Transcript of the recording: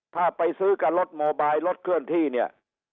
ถ้าไปซื้อกับรถโมบายรถเคลื่อนที่เนี่ย